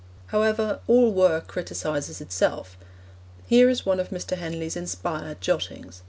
However, all work criticises itself. Here is one of Mr. Henley's inspired jottings.